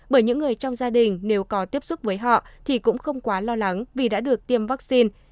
bởi những người trong gia đình nếu có tiếp xúc với họ thì cũng không quá lo lắng vì đã được tiêm vaccine